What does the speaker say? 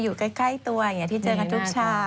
อยู่ใกล้ตัวอย่างนี้ที่เจอกันทุกเช้า